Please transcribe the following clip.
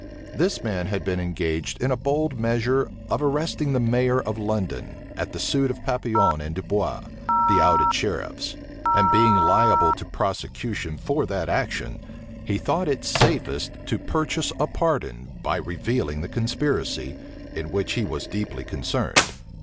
This man had been engaged in a bold measure, of arresting the mayor of London, at the suit of Papillon and Dubois, the outed sheriffs; and being liable to prosecution for that action, he thought it safest to purchase a pardon by revealing the conspiracy, in which he was deeply concerned.